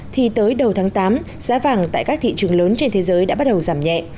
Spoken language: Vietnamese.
thì tới đầu tháng tám giá vàng tại các thị trường lớn trên thế giới đã bắt đầu giảm nhẹ